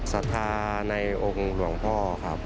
ศรัทธาในองค์หลวงพ่อครับ